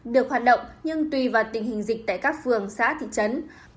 được hoạt động nhưng tùy vào tình hình dịch tại các phường xã thị trấn